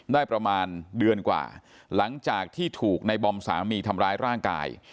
ได้ประมาณเดือนกว่าหลังจากที่ถูกในบอมสามีทำร้ายร่างกาย